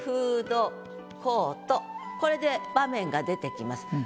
これで場面が出てきます。